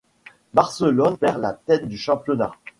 Barcelone perd la tête du championnat.